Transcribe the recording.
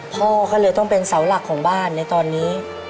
พ่อก็เลยต้องเป็นเสาหลักของบ้านในตอนนี้